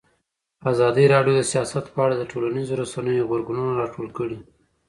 ازادي راډیو د سیاست په اړه د ټولنیزو رسنیو غبرګونونه راټول کړي.